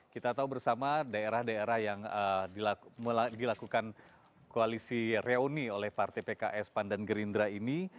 kita tahu bersama daerah daerah yang dilakukan koalisi reuni oleh partai pks pan dan gerindra ini